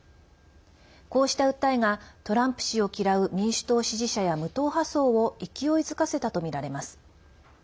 こうした訴えがトランプ氏を嫌う民主党支持者や無党派層を勢いづかせたとみられます。